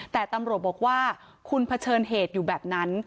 แต่ตำรวจบอกว่าคุณเผชิญเหตุอยู่แบบนั้น